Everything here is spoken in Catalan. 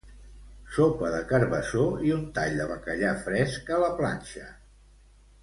Sopa de carbassó i un tall de bacallà fresc a la planxa